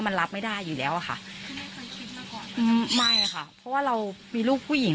มันรับไม่ได้อยู่แล้วอะค่ะไม่ค่ะเพราะว่าเรามีลูกผู้หญิง